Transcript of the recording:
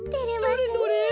どれどれ？